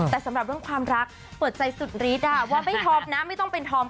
แต่สำหรับเรื่องความรักเปิดใจสุดฤทธิ์ว่าไม่ทอมนะไม่ต้องเป็นธอม